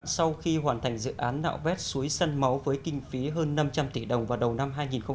sau khi hoàn thành dự án nạo vét suối sân máu với kinh phí hơn năm trăm linh tỷ đồng vào đầu năm hai nghìn một mươi chín